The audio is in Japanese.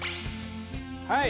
はい！